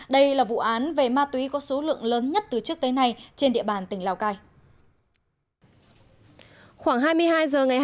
đây là vụ án về ma túy có số lượng lớn nhất từ trước tới nay trên địa bàn tỉnh lào cai